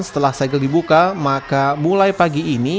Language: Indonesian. setelah segel dibuka maka mulai pagi ini